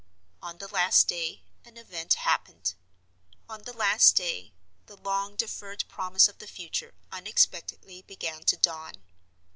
On the last day, an event happened; on the last day, the long deferred promise of the future unexpectedly began to dawn.